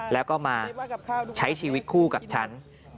แล้วก็มาใช้ชีวิตคู่กับฉัน